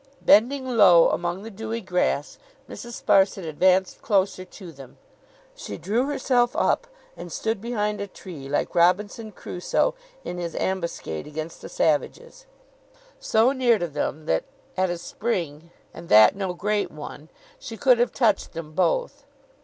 Bending low among the dewy grass, Mrs. Sparsit advanced closer to them. She drew herself up, and stood behind a tree, like Robinson Crusoe in his ambuscade against the savages; so near to them that at a spring, and that no great one, she could have touched them both.